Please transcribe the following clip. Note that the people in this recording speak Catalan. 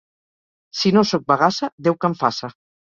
Si no sóc bagassa, Déu que em faça.